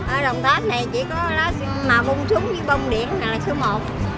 ở đồng tháp này chỉ có màu bông súng như bông điện là số một